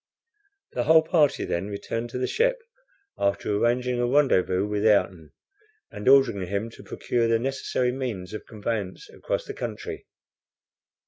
The whole party then returned to the ship, after arranging a rendezvous with Ayrton, and ordering him to procure the necessary means of conveyance across the country.